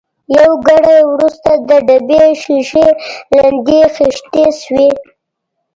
یو ګړی وروسته د ډبې شېشې لندې خېشتې شوې.